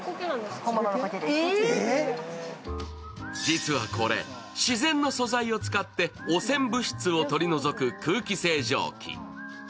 実はこれ、自然の素材を使って汚染物質を取り除く空気清浄機。